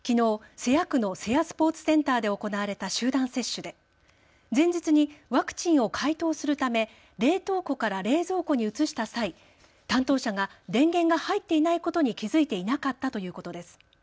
瀬谷区の瀬谷スポーツセンターで行われた集団接種で前日にワクチンを解凍するため冷凍庫から冷蔵庫に移した際、担当者が電源が入っていないことに気付いていなかったということです。